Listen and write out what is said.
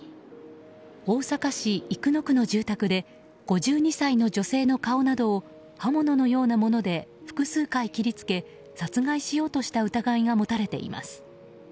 大阪市生野区の住宅で５２歳の女性の顔などを刃物のようなもので複数回、切り付け殺害しようとした疑いが持たれています。